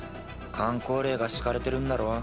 かん口令が敷かれてるんだろ。